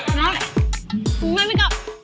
หนูไม่ได้ไปกลับ